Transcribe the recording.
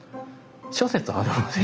諸説あるので。